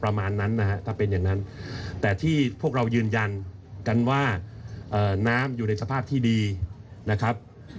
ประมาณนั้นนะฮะถ้าเป็นอย่างนั้นแต่ที่พวกเรายืนยันกันว่าน้ำอยู่ในสภาพที่ดีนะครับ